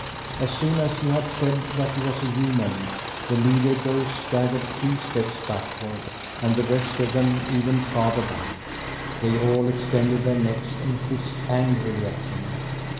As soon as he had said that he was human the leader goose staggered three steps backward, and the rest of them even farther back. They all extended their necks and hissed angrily at him.